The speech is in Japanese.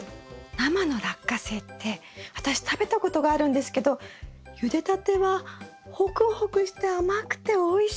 生のラッカセイって私食べたことがあるんですけどゆでたてはホクホクして甘くておいしいですよね。